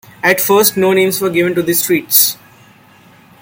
At first, no names were given to the streets.